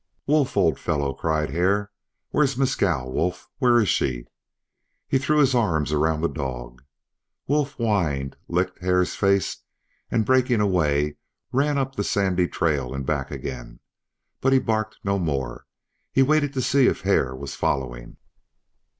"Wolf, old fellow!" cried Hare. "Where's Mescal? Wolf, where is she?" He threw his arms around the dog. Wolf whined, licked Hare's face, and breaking away, ran up the sandy trail, and back again. But he barked no more; he waited to see if Hare was following.